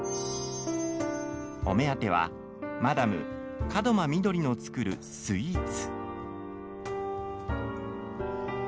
お目当てはマダム、門真みどりの作るスイーツ。